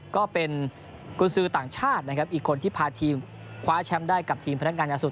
ก็เป็นกุญสือต่างชาตินะครับอีกคนที่พาทีมคว้าแชมป์ได้กับทีมพนักงานยาสุด